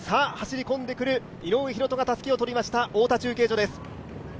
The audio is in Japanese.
走り込んでくる井上大仁がたすきを取りました、太田中継所です。